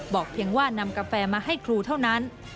เพียงว่านำกาแฟมาให้ครูเท่านั้น